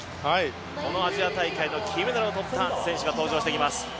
このアジア大会の金メダルを取った選手が登場してきます。